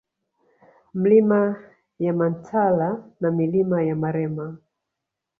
Milima ya Mantala na Milima ya Marema